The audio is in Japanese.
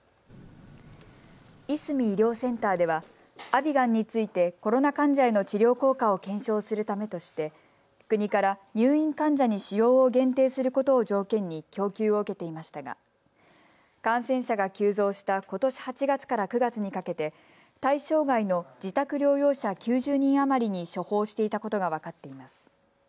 いすみ医療センターではアビガンについてコロナ患者への治療効果を検証するためとして国から入院患者に使用を限定することを条件に供給を受けていましたが感染者が急増したことし８月から９月にかけて対象外の自宅療養者９０人余りに処方していたことが分かっています。